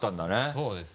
そうですね。